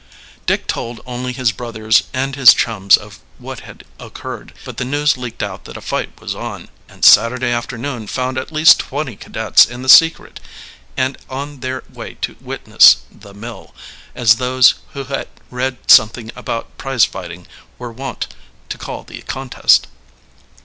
Dick told only his brothers and his chums of what had occurred, but the news leaked out that a fight was on, and Saturday afternoon found at least twenty cadets in the secret and on their way to witness the "mill," as those who had read something about prize fighting were wont to call the contest.